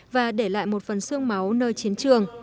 và để lại một phần sương máu nơi chiến trường